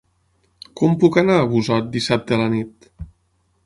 Com puc anar a Busot dissabte a la nit?